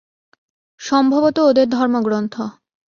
সম্ভবত ওদের ধর্মগ্রন্থ।